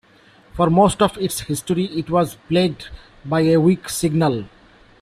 For most of its history, it was plagued by a weak signal.